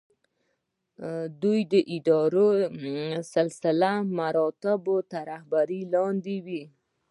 دوی د اداري سلسله مراتبو تر رهبرۍ لاندې وي.